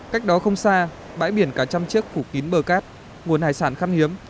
cách đó không xa bãi biển cả trăm chiếc phủ kín bờ cát nguồn hải sản khăn hiếm